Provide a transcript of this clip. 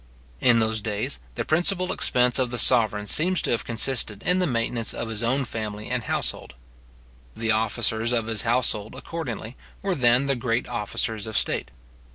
In those days the principal expense of the sovereign seems to have consisted in the maintenance of his own family and household. The officers of his household, accordingly, were then the great officers of state.